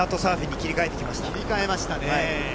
切り替えましたね。